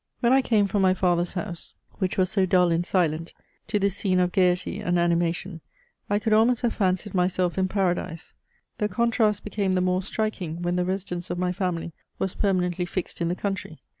When I came from my father's house. 62 MEMOIRS OF which was so dull and silent, to this scene of gaiety and anima tion, I could almost have fancied myself in paradise. The contrast hecame the more striking, when the residence of my family was permanently fixed in the country.